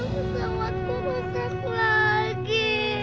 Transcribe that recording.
pesawatku masak lagi